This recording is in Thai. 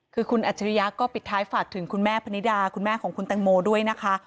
คือคุณอัจฉริยะก็ปิดท้ายฝากถึงคุณแม่พนิดาคุณแม่ของคุณแตงโมด้วยนะคะ